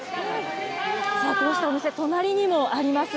こうしたお店、隣にもあります。